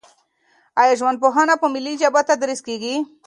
آیا ژوندپوهنه په ملي ژبه تدریس کیږي؟